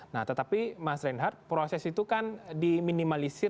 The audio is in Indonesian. nah tetapi mas reinhardt proses itu kan diminimalisir